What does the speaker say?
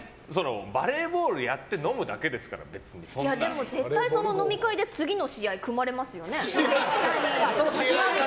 バレーボールをやってでも、絶対その飲み会で次の試合、組まれますよね。